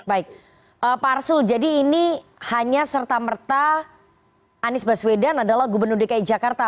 baik pak arsul jadi ini hanya serta merta anies baswedan adalah gubernur dki jakarta